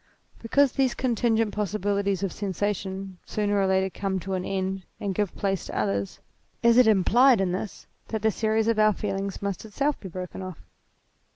Because these contin gent possibilities of sensation sooner or later come to an end and give place to others, is it implied in this, that the series of our feelings must itself be broken IMMORTALITY 203 off?